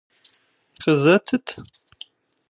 Къызэтыт!